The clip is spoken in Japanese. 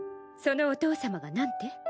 そのお父様がなんて？